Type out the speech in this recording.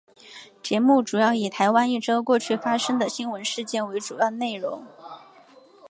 节目主要以台湾一周过去发生的新闻事件为主要内容。